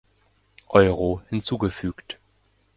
Euro hinzugefügt.